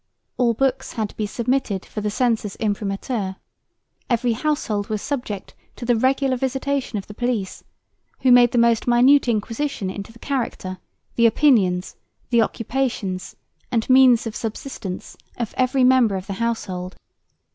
All books had to be submitted for the censor's imprimatur. Every household was subject to the regular visitation of the police, who made the most minute inquisition into the character, the opinions, the occupations and means of subsistence of every member of the household.